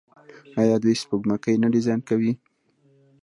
آیا دوی سپوږمکۍ نه ډیزاین کوي؟